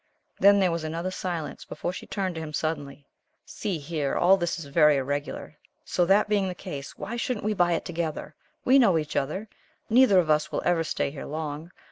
Then there was another silence before she turned to him suddenly: "See here all this is very irregular so, that being the case why shouldn't we buy it together? We know each other. Neither of us will ever stay here long.